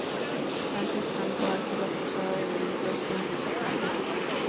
Francis Franco ha sido acusado de delitos en tres ocasiones.